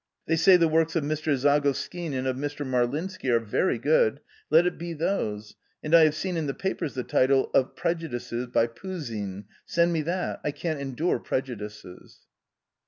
They say the works of Mr. Zagoskin and of Mr. Marlinsky are very good — let it be those; and I have seen in the papers the title — 4 Of Prejudices' by Poozin — send me that — I can't endure prejudices."